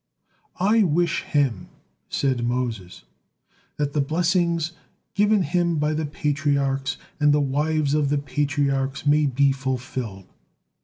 "I wish him," said Moses, "that the blessings given him by the Patriarchs and the wives of the Patriarchs may be fulfilled."